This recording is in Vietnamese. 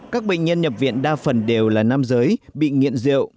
các bệnh nhân nhập viện đa phần đều là nam giới bị nghiện rượu